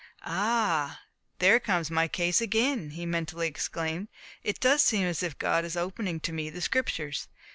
"Ah, there comes my case again!" he mentally exclaimed. "It does seem as if God is opening to me the scriptures.